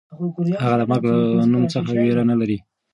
هغه د مرګ له نوم څخه وېره نه لري.